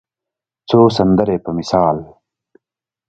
څو سندرې په مثال